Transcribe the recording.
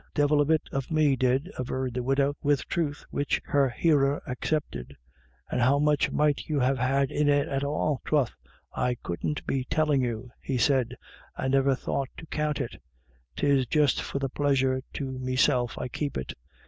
" Divil a bit of me did," averred the widow, with truth, which her hearer accepted ;" and how much might you have had in it at all? "" Troth, I couldn't be tellin' you," he said, " I never thought to count it. 'Tis just for a pleasure to meself I keep it.